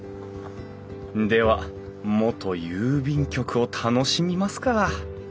では元郵便局を楽しみますか！